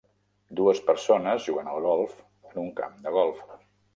Dues persones jugant al golf en un camp de golf.